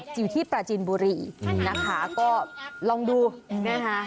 อยู่ที่ปราจินบุรีนะคะก็ลองดูนะคะ